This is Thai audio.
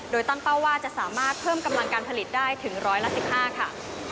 โดยตั้งเป้าว่าจะสามารถเพิ่มกำลังการผลิตได้ถึงร้อยละ๑๕ค่ะ